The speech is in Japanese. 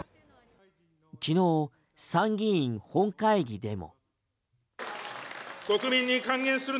昨日、参議院本会議でも。